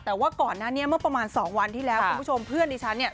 แต่ว่าก่อนหน้านี้เมื่อประมาณสองวันที่แล้วคุณผู้ชมเพื่อนดิฉันเนี่ย